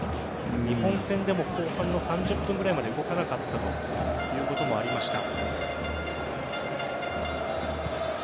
日本戦でも後半の３０分ぐらいまで動かなかったということもありました。